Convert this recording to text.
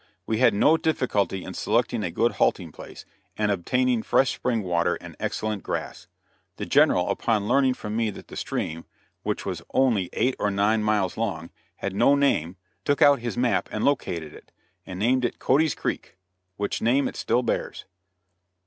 We had no difficulty in selecting a good halting place, and obtaining fresh spring water and excellent grass. The General, upon learning from me that the stream which was only eight or nine miles long had no name, took out his map and located it, and named it Cody's Creek, which name it still bears.